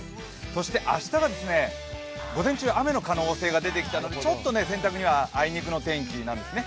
そして明日が午前中、雨の可能性が出てきたのでちょっと洗濯にはあいにくの天気なんですね。